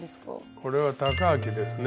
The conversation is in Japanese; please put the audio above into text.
これは孝明ですね。